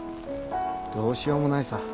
どうしようもないさ